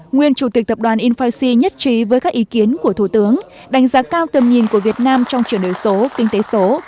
nguyên chủ tịch tập đoàn infic nhất trí với các ý kiến của thủ tướng đánh giá cao tầm nhìn của việt nam trong chuyển đổi số kinh tế số